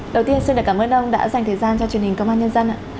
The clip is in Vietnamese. đầu tiên xin cảm ơn ông đã dành thời gian cho truyền hình công an nhân dân ạ